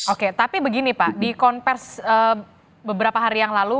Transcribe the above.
oke tapi begini pak di konvers beberapa hari yang lalu